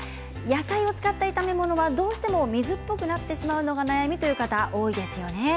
野菜を使った炒め物はどうしても水っぽくなってしまうのが悩みという方多いですよね。